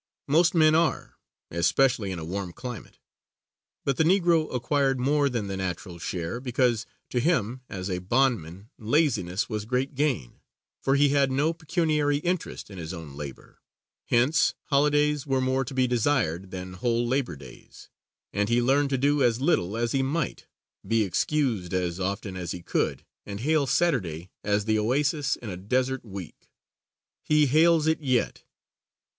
_ Most men are, especially in a warm climate: but the Negro acquired more than the natural share, because to him as a bondman laziness was great gain, for he had no pecuniary interest in his own labor. Hence, holidays were more to be desired than whole labor days, and he learned to do as little as he might, be excused as often as he could, and hail Saturday as the oasis in a desert week. He hails it yet.